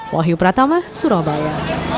wahyu pratama surabaya